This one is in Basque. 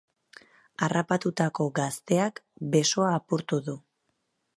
Harrapatutako gazteak besoa apurtu du.